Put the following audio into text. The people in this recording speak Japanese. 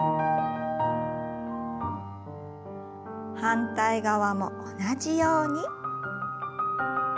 反対側も同じように。